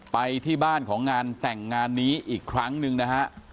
ไปที่บ้านของงานแต่งงานนี้อีกครั้งหนึ่งนะฮะ